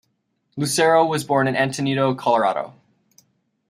Lucero was born in Antonito, Colorado.